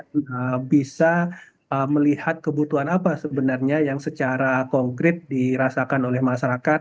kita bisa melihat kebutuhan apa sebenarnya yang secara konkret dirasakan oleh masyarakat